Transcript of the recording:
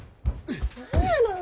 何やのよ